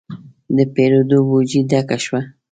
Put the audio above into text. د پیرود بوجي ډکه شوه.